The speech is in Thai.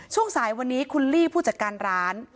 ช่วงสายวันนี้คุณลี่ผู้จัดการร้าน